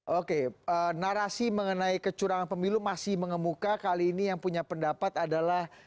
oke narasi mengenai kecurangan pemilu masih mengemuka kali ini yang punya pendapat adalah